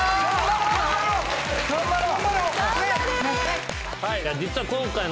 頑張ろう！